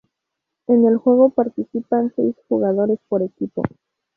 En el juego participan seis jugadores por equipo.